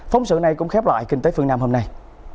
phóng sự này cũng khép lại kinh tế phương nam hôm nay